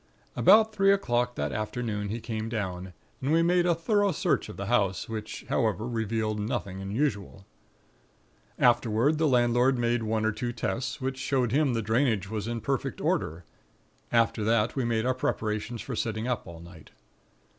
"About three o'clock that afternoon, he came down, and we made a thorough search of the house, which, however, revealed nothing unusual. Afterward, the landlord made one or two tests, which showed him the drainage was in perfect order; after that we made our preparations for sitting up all night.